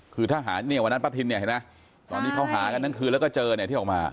คือวันนั้นป้าทินเขาหากันตั้งคืนแล้วก็เจอที่ออกมา